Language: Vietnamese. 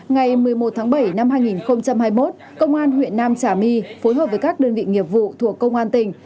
ngày một mươi một tháng bảy năm hai nghìn hai mươi một công an huyện nam trà my phối hợp với các đơn vị nghiệp vụ thuộc công an tỉnh